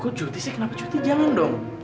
kok cuti sih kenapa cuti jangan dong